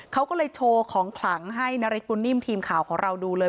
เขาก็เลยโชว์ของขลังให้นาริสปุ่นนิ่มทีมข่าวของเราดูเลย